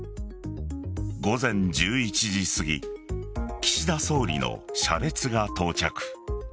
午前１１時すぎ岸田総理の車列が到着。